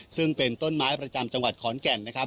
ซึ่งเป็นต้นไม้ประจำจังหวัดขอนแก่นนะครับ